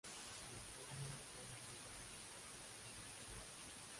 La fórmula fue la misma de las tres ediciones anteriores.